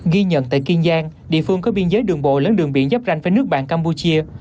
ghi nhận tại kiên giang địa phương có biên giới đường bộ lớn đường biển dắp ranh với nước bạn campuchia